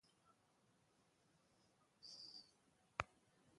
It also grows in alpine areas, but not at high altitude.